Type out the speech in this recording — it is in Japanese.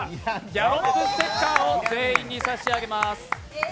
ギャロップステッカーを全員に差し上げます。